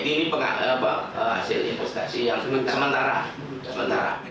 ini hasil investasi yang sementara